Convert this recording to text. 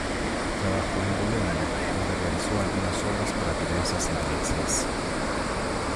Trabajó en Bolonia, donde realizó algunas obras para diversas iglesias.